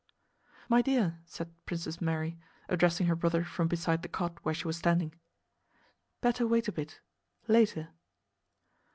"My dear," said Princess Mary, addressing her brother from beside the cot where she was standing, "better wait a bit... later..."